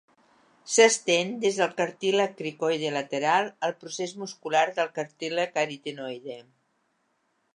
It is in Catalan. S'estén des del cartílag cricoide lateral al procés muscular del cartílag aritenoide.